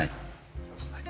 はい。